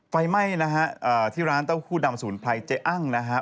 ไฟไหม้นะฮะที่ร้านเต้าหู้ดำสมุนไพรเจ๊อ้างนะฮะ